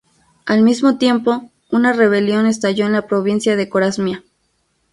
Al mismo tiempo, una rebelión estalló en la provincia de Corasmia.